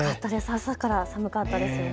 朝から寒かったです。